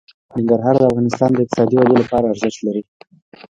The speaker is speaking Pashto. ننګرهار د افغانستان د اقتصادي ودې لپاره ارزښت لري.